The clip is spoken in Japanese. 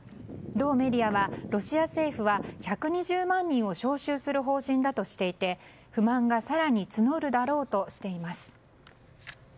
同メディアは、ロシア政府は１２０万人を招集する方針だとしていて不満が更に募るだろうとしています。